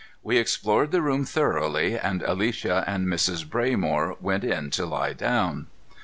We explored the room thoroughly, and Alicia and Mrs. Braymore went in to lie down.